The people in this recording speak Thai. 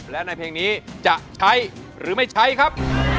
ไม่เป็นไรนะครับ